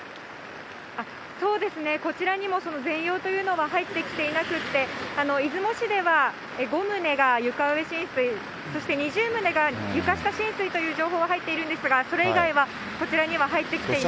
そうですね、こちらにも全容というのは入ってきていなくて、出雲市では５棟が床上浸水、そして２０棟が床下浸水という情報は入っているんですが、それ以外はこちらには入ってきていません。